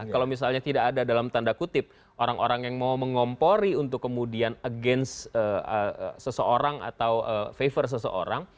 kalau misalnya tidak ada dalam tanda kutip orang orang yang mau mengompori untuk kemudian against seseorang atau favor seseorang